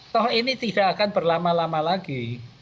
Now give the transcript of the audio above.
toh ini tidak akan berlama lama lagi